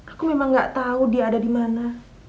aku memang gak tahu dia ada di mana